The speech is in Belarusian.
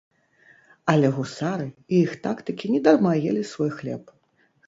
Але гусары і іх тактыкі недарма елі свой хлеб.